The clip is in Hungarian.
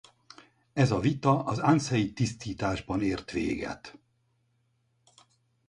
Ez a vita az Ansei tisztításban ért véget.